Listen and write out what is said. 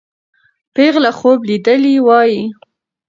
پېغله خوب لیدلی وایي.